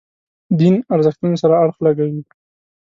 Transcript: دین ارزښتونو سره اړخ لګوي.